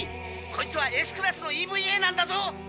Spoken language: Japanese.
こいつはＳクラスのＥＶＡなんだぞ。